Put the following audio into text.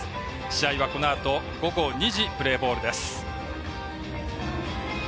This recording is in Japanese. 試合は、このあと午後２時プレーボールです。